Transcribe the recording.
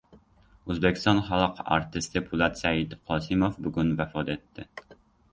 Oʻzbekiston xalq artisti Poʻlat Saidqosimov bugun vafot etdi.